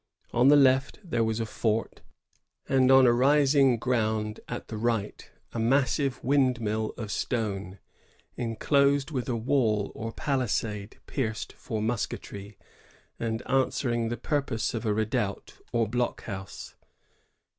On the left there was a fort, and on a rising ground at the right a massive windmill of stone, enclosed with a wall or palisade pierced for musketry, and answering the purpose of a redoubt or block house.